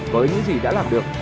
với những gì đã làm được